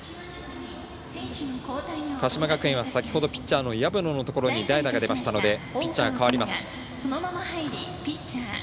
鹿島学園は先ほどピッチャーの薮野のところに代打が出ましたのでピッチャーが代わります。